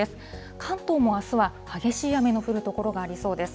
関東もあすは激しい雨の降る所がありそうです。